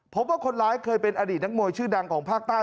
พบว่าคนร้ายเคยเป็นอดีตนักมวยชื่อดังของภาคใต้